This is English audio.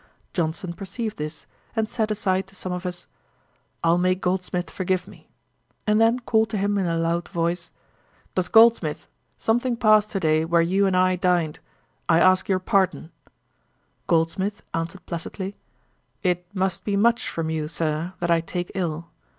Johnson perceived this, and said aside to some of us, 'I'll make Goldsmith forgive me;' and then called to him in a loud voice, 'Dr. Goldsmith, something passed to day where you and I dined; I ask your pardon.' Goldsmith answered placidly, 'It must be much from you, Sir, that I take ill.'